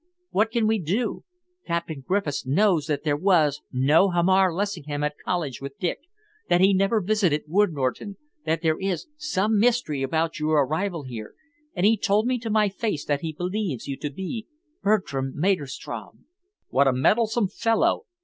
What can we do? Captain Griffiths knows that there was no Hamar Lessingham at college with Dick, that he never visited Wood Norton, that there is some mystery about your arrival here, and he told me to my face that he believes you to be Bertram Maderstrom." "What a meddlesome fellow!"